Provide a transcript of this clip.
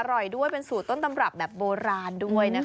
อร่อยด้วยเป็นสูตรต้นตำรับแบบโบราณด้วยนะคะ